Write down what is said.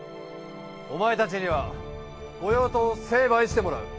お前たちには御用盗を成敗してもらう。